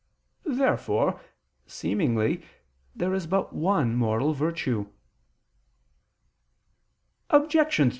Therefore, seemingly, there is but one moral virtue.